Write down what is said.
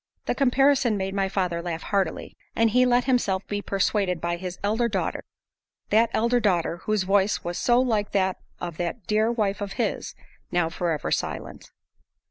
The comparison made my father laugh heartily, and he let himself be persuaded by his elder daughter that elder daughter whose voice was so like that of that dear wife of his, now forever silent.